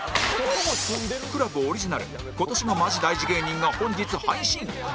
ＣＬＵＢ オリジナル今年がマジ大事芸人が本日配信！